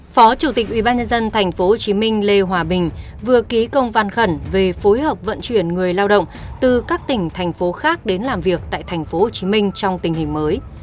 phó chủ tịch ubnd tp hcm lê hòa bình vừa ký công văn khẩn về phối hợp vận chuyển người lao động từ các tỉnh thành phố khác đến làm việc tại tp hcm trong tình hình mới